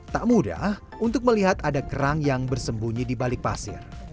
tak mudah untuk melihat ada kerang yang bersembunyi di balik pasir